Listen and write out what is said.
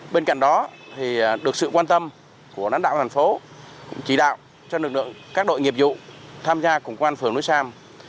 bên cạnh đó thì được sự quan tâm của đảng đạo thành phố chỉ đạo cho lực lượng các đội nghiệp dụng tham gia cùng quân phường núi sam